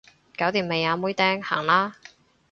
搞掂未啊妹釘，行啦